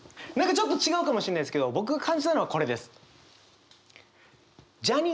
何かちょっと違うかもしれないんですけど僕が感じたのはこれです。